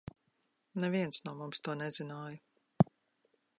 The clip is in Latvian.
Neviens no mums to nezināja.